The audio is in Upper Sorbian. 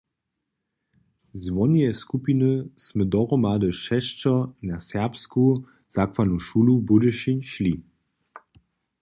Z woneje skupiny smy dohromady šesćo na Serbsku zakładnu šulu Budyšin šli.